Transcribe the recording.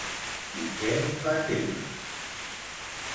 I què va témer?